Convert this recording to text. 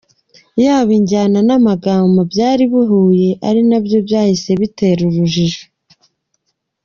yaba injyana namagambo byari bihuye ari nabyo byahise biteza urujijo.